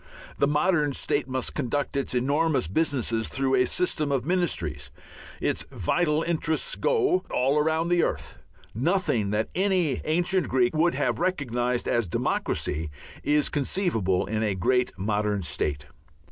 The modern state must conduct its enormous businesses through a system of ministries; its vital interests go all round the earth; nothing that any ancient Greek would have recognized as democracy is conceivable in a great modern state.